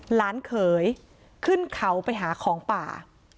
หลานเขยขึ้นเขาไปหาของป่า